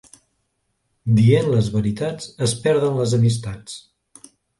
Dient les veritats, es perden les amistats.